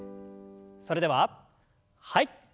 それでははい。